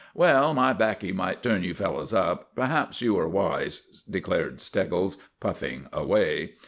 "Well, my baccy might turn you fellows up. Perhaps you are wise," declared Steggles, puffing away.